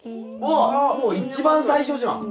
あっもう一番最初じゃん。